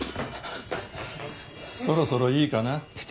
そろそろいいかな？